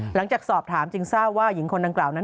หลังจากสอบถามจึงทราบว่าหญิงคนดังกล่าวนั้น